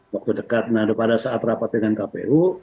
waktu dekat nah pada saat rapat dengan kpu